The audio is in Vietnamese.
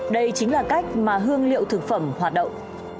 đây chính là cách mà hương liệu thực phẩm hoạt động